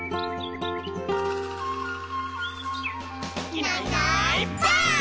「いないいないばあっ！」